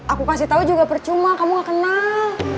aku kasih tahu juga percuma kamu gak kenal